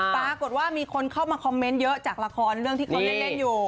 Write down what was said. ปรากฏว่ามีคนเข้ามาคอมเมนต์เยอะจากละครเรื่องที่เขาเล่นอยู่